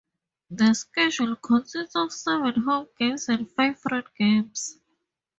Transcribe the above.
The schedule consists of seven home games and five road games.